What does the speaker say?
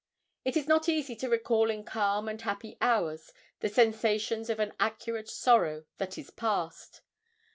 It is not easy to recall in calm and happy hours the sensations of an acute sorrow that is past.